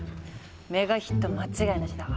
メガヒット間違いナシだわ。